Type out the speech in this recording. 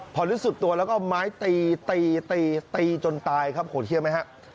พอรู้สึกตัวแล้วก็เอาไม้ตีตีตีตีจนตายครับโหดเชื่อไหมฮะ